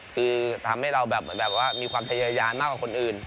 คือทำให้เรามีความทยายามากกว่าคนอื่น